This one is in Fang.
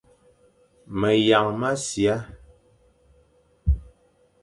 Meyañ mʼasia,